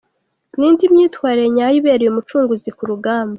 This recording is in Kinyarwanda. – N’indi myitwarire nyayo ibereye Umucunguzi ku rugamba.